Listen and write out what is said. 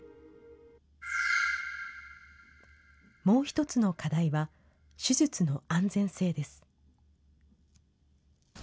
もう一つの課題は、手術の安全性です。